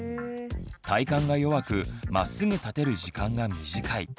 体幹が弱くまっすぐ立てる時間が短い。